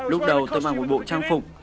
lúc đầu tôi mang một bộ trang phục